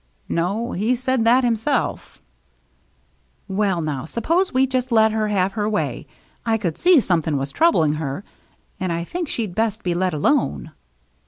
" No, he said that himself" " Well, now, suppose we just let her have her way. I could see something was troubling her, and I think she'd best be let alone."